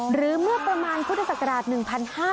หรือเมื่อประมาณพุทธศักราช๑๕